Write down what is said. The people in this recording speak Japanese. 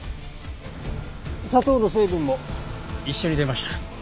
砂糖の成分も一緒に出ました。